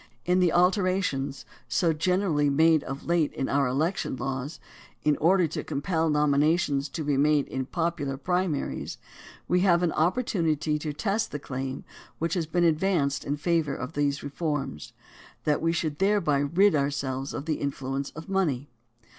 In the alterations; so generally made of late in our election laws in order to compel nominations to be made in popular primaries; we have an opportunity to test the claim which has been ad vanced in favor of these reforms, that we should thereby rid ourselves of the influence of money.